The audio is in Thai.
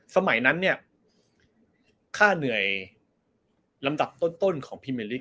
สมัยนั้นเนี่ยค่าเหนื่อยลำดับต้นของพิเมริก